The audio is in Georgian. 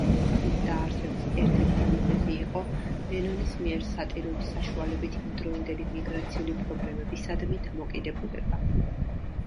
ქვეყნის დაარსების ერთ-ერთი მიზეზი იყო ლენონის მიერ სატირული საშუალებით იმდროინდელი მიგრაციული პრობლემებისადმი დამოკიდებულება.